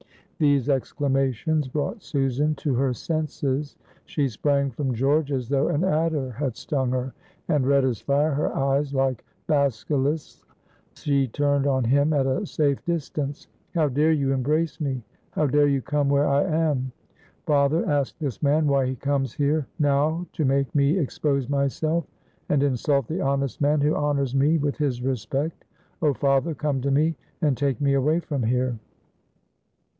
These exclamations brought Susan to her senses. She sprang from George as though an adder had stung her; and, red as fire, her eyes like basilisks', she turned on him at a safe distance. "How dare you embrace me? How dare you come where I am? Father, ask this man why he comes here now to make me expose myself, and insult the honest man who honors me with his respect. Oh, father, come to me, and take me away from here."